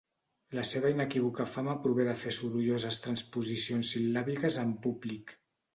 La seva inequívoca fama prové de fer sorolloses transposicions sil·làbiques en públic.